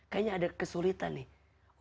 kayaknya ada kesulitan nih